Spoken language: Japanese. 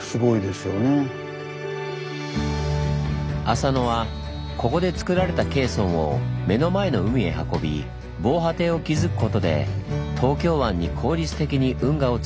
浅野はここでつくられたケーソンを目の前の海へ運び防波堤を築くことで東京湾に効率的に運河をつくりました。